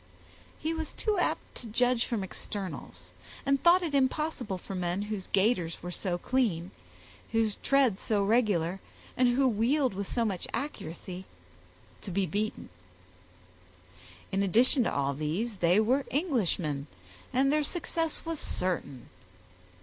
He was too apt to judge from externals, and thought it impossible for men whose gaiters were so clean, whose tread so regular, and who wheeled with so much accuracy, to be beaten. In addition to all these, they were Englishmen, and their success was certain.